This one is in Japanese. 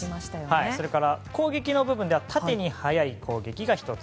それから、攻撃の部分では縦に速い攻撃が１つ。